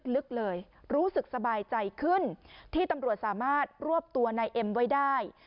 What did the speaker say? ลึกเลยรู้สึกสบายใจขึ้นที่ตำรวจสามารถรวบตัวนายเอ็มไว้ได้